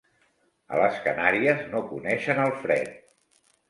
A les Canàries no coneixen el fred.